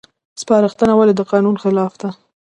سپارښتنه ولې د قانون خلاف ده؟